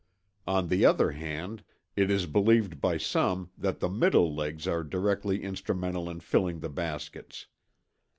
On the other hand, it is believed by some that the middle legs are directly instrumental in filling the baskets.